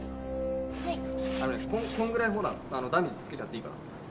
こんぐらいほらダミーつけちゃっていいから。